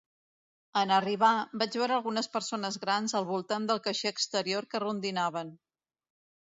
En arribar, vaig veure algunes persones grans al voltant del caixer exterior que rondinaven.